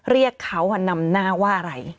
เรียกเขานำหน้าว่าอะไร